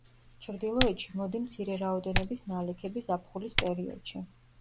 ჩრდილოეთში მოდი მცირე რაოდენობის ნალექები ზაფხულის პერიოდში.